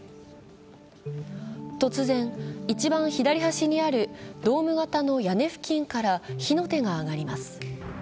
突然、一番左端にあるドーム型の屋根付近から火の手が上がります。